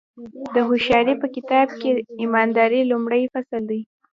د هوښیارۍ په کتاب کې ایمانداري لومړی فصل دی.